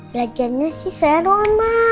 belajarnya sih seron ma